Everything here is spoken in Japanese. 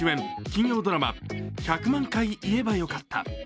金曜ドラマ「１００万回言えばよかった」。